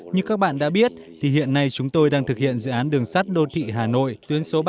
như các bạn đã biết thì hiện nay chúng tôi đang thực hiện dự án đường sắt đô thị hà nội tuyến số ba